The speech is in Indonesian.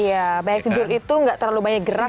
iya banyak tidur itu tidak terlalu banyak gerak